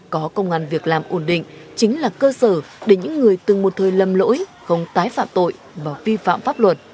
có công an việc làm ổn định chính là cơ sở để những người từng một thời lầm lỗi không tái phạm tội và vi phạm pháp luật